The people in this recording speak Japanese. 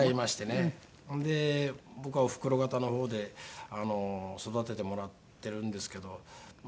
で僕はおふくろ方のほうで育ててもらってるんですけど。